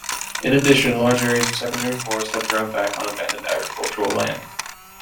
In addition, large areas of secondary forest have grown back on abandoned agricultural land.